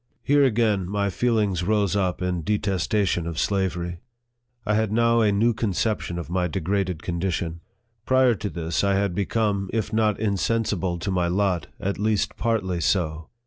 Here again my feelings rose up in detestation of slavery. I had now a new conception of my degraded condition. Prior to this, I had become, if not insensible to my lot, at least partly so.